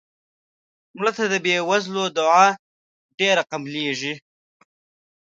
مړه ته د بې وزلو دعا ډېره قبلیږي